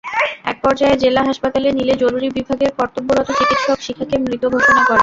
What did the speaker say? একপর্যায়ে জেলা হাসপাতালে নিলে জরুরি বিভাগের কর্তব্যরত চিকিৎসক শিখাকে মৃত ঘোষণা করেন।